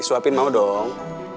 disuapin mau dong